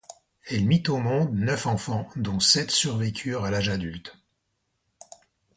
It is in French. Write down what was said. Elle mit au monde neuf enfants, dont sept survécurent à l'âge adulte.